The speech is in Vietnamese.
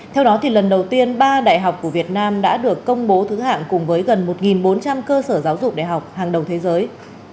theo đó lần đầu tiên ba đại học của việt nam đã được công bố thứ hạng cùng với gần một bốn trăm linh cơ sở giáo dục đại học hàng đầu thế giới